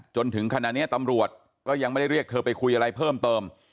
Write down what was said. จนถึงขณะนี้ตำรวจก็ยังไม่ได้เรียกเธอไปคุยอะไรเพิ่มเติม